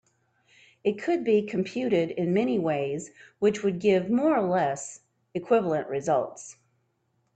It could be computed in many ways which would give more or less equivalent results.